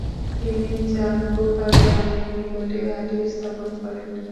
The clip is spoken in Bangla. তিনি জানকুফা গ্রামের নিকটে ঘাটি স্থাপন করেন।